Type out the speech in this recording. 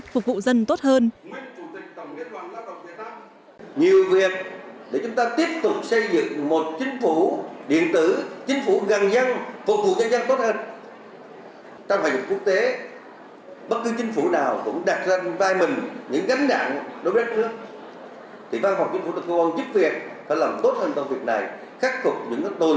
phục vụ dân tốt hơn